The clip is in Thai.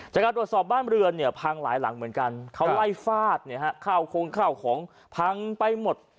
จากตัวสอบบ้านเรือเนี่ยพังหลายหลังเหมือนกันเขาไล่ฟาดเข้าของเปล่าพังไปหมด